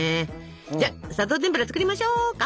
じゃあ砂糖てんぷら作りましょうか。